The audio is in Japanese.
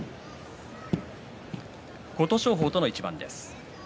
琴勝峰との一番です。